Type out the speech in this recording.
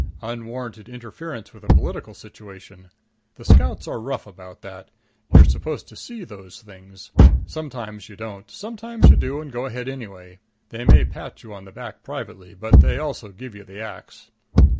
"Unwarranted interference with a political situation. The Scouts are rough about that. You're supposed to see those things. Sometimes you don't. Sometimes you do and go ahead anyway. They may pat you on the back privately, but they also give you the axe."